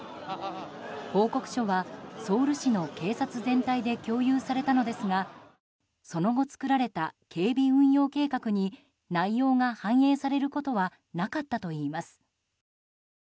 報告書は、ソウル市の警察全体で共有されたのですがその後作られた警備運用計画に内容が反映されることはなかったといいます。